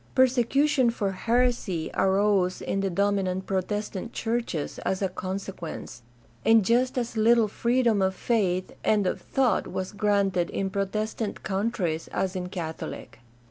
Persecution for heresy arose in the dominant Protestant churches as a consequence, and just as little freedom of faith and of thought was granted in Protestant countries as n Catholic.